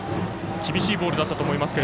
厳しいボールだったと思います。